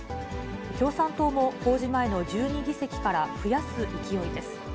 共産党も公示前の１２議席から増やす勢いです。